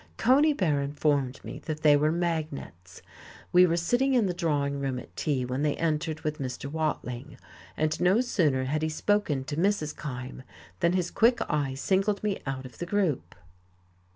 Conybear informed me that they were "magnates,"... We were sitting in the drawing room at tea, when they entered with Mr. Watling, and no sooner had he spoken to Mrs. Kyme than his quick eye singled me out of the group.